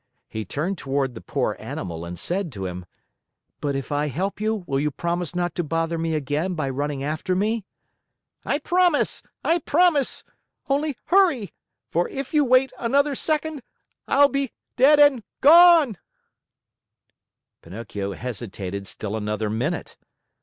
He turned toward the poor animal and said to him: "But if I help you, will you promise not to bother me again by running after me?" "I promise! I promise! Only hurry, for if you wait another second, I'll be dead and gone!" Pinocchio hesitated still another minute.